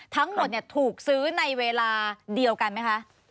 ทั้งหมดถูกซื้อในเวลาเดียวกันไหมคะ